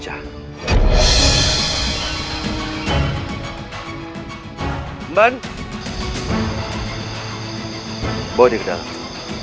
lagu yang di ratch racks